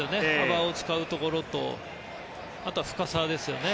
幅を使うところと深さですよね。